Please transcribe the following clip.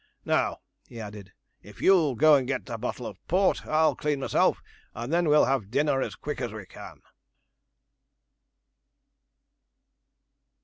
Now,' he added, 'if you'll go and get the bottle of port, I'll clean myself, and then we'll have dinner as quick as we can.'